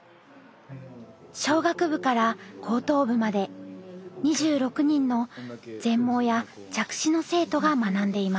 小学部から高等部まで２６人の全盲や弱視の生徒が学んでいます。